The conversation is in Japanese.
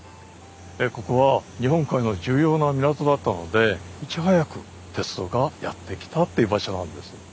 ここは日本海の重要な港だったのでいち早く鉄道がやって来たという場所なんです。